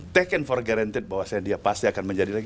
takkan for guaranteed bahwa dia pasti akan menjadi lagi